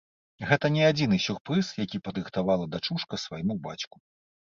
Гэта не адзіны сюрпрыз, які падрыхтавала дачушка свайму бацьку.